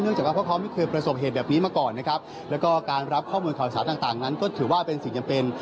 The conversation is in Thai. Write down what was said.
จากว่าพวกเขาไม่เคยประสบเหตุแบบนี้มาก่อนนะครับแล้วก็การรับข้อมูลข่าวสารต่างนั้นก็ถือว่าเป็นสิ่งจำเป็น